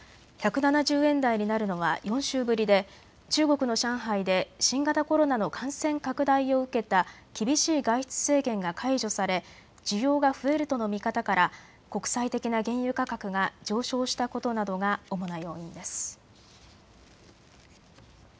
１７０円台になるのは４週ぶりで中国の上海で新型コロナの感染拡大を受けた厳しい外出制限が解除され需要が増えるとの見方から国際的な原油価格が上昇したことなどが主な要因です。